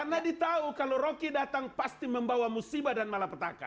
karena di tahu kalau roki datang pasti membawa musibah dan malapetaka